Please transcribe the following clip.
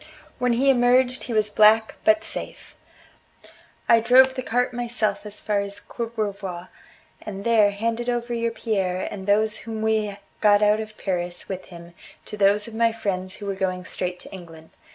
When he emerged he was black but safe. I drove the cart myself as far as Courbevoie, and there handed over your Pierre and those whom we got out of Paris with him to those of my friends who were going straight to England.